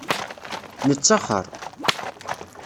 Nettaxer.